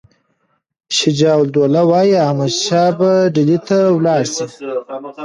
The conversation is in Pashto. شجاع الدوله وایي احمدشاه به ډهلي ته ولاړ شي.